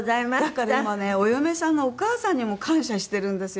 だから今ねお嫁さんのお母さんにも感謝してるんですよ。